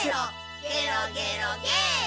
「ゲロゲロゲーロ」